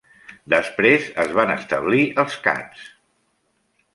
Després es van establir els Cats.